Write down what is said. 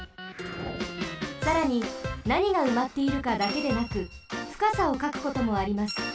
さらになにがうまっているかだけでなくふかさをかくこともあります。